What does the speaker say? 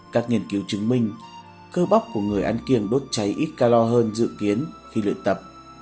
các nghiên cứu chứng minh cơ bóc của người ăn kiêng đốt cháy ít calor hơn dự kiến khi luyện tập